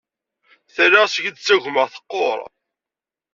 Tala seg i d-ttagumeɣ teqqur.